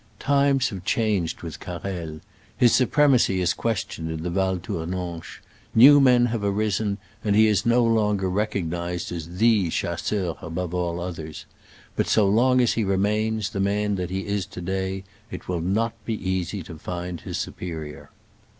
Times have changed with Carrel. His suprem acy is questioned in the Val Tournanche ; new men have arisen, and he is no long er recognized as the chasseur above all others ; but so long as he remains the man that he is to day it will not be easy to find his superior.